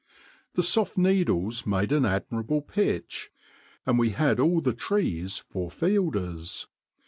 The soft needles made an admirable pitch, and we had all the trees for fielders.